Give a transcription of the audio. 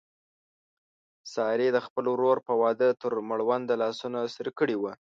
سارې د خپل ورور په واده تر مړونده لاسونه سره کړي و.